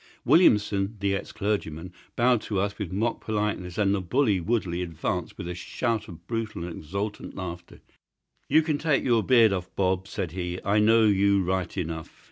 Williamson, the ex clergyman, bowed to us with mock politeness, and the bully Woodley advanced with a shout of brutal and exultant laughter. "You can take your beard off, Bob," said he. "I know you right enough.